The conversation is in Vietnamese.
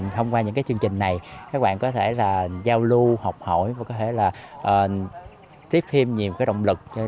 thông qua những chương trình này các bạn có thể giao lưu học hỏi và có thể là tiếp thêm nhiều động lực